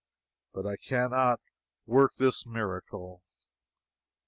But I can not work this miracle.